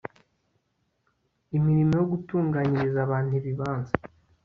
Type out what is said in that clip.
imirimo yo gutunganyiriza abantu ibibanza